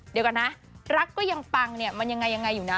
เดี๋ยวก่อนนะรักก็ยังปังมันยังไงอยู่นะ